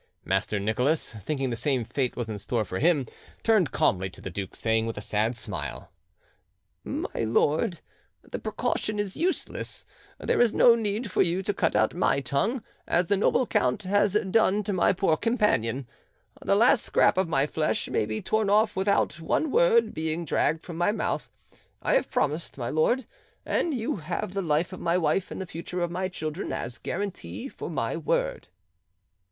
Master Nicholas, thinking the same fate was in store for him, turned calmly to the duke, saying with a sad smile— "My lord, the precaution is useless; there is no need for you to cut out my tongue, as the noble count has done to my poor companion. The last scrap of my flesh may be torn off without one word being dragged from my mouth. I have promised, my lord, and you have the life of my wife and the future of my children as guarantee for my word."